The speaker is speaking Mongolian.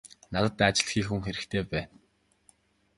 Надад ажил хийх хүн хэрэгтэй байна.